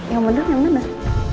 yang bener yang bener